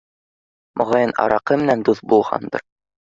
Моғайын, араҡы менән дуҫ булғандыр.